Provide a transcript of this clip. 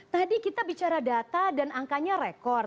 tadi kita bicara data dan angkanya rekor